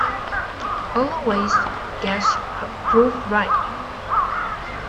Holloway's guess proved right.